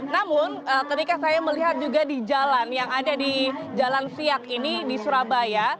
namun ketika saya melihat juga di jalan yang ada di jalan siak ini di surabaya